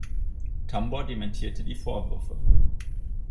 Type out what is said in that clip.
Tambor dementierte die Vorwürfe.